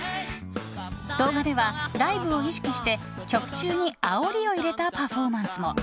動画では、ライブを意識して曲中にあおりを入れたパフォーマンスも。